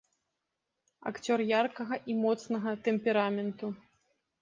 Акцёр яркага і моцнага тэмпераменту.